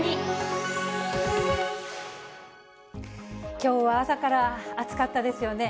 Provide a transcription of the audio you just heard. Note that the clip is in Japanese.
きょうは朝から暑かったですよね。